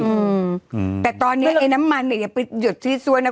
อืมแต่ตอนเนี้ยไอ้น้ำมันเนี้ยอย่าไปหยดชี้ซั่วนะ